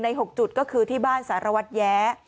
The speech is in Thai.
๖จุดก็คือที่บ้านสารวัตรแย้